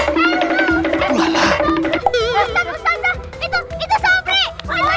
itu itu sobri